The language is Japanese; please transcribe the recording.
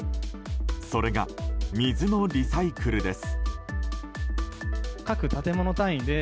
それが水のリサイクルです。